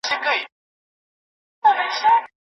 روښانه فکر آرامتیا نه ځنډوي.